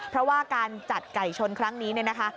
เพราะว่าการจัดไก่ชนครั้งนี้